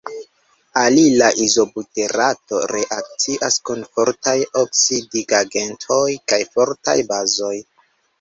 Alila izobuterato reakcias kun fortaj oksidigagentoj kaj fortaj bazoj.